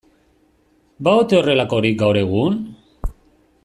Ba ote horrelakorik gaur egun?